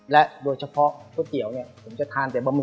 และโดยเฉพาะก๋วยเตี๋ยวเนี่ยผมจะทานแต่บะห